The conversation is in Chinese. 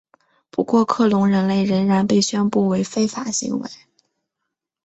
不过克隆人类仍然被宣布为非法行为。